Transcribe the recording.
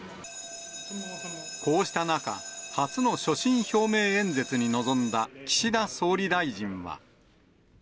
こうした中、初の所信表明演説に臨んだ岸田総理大臣は。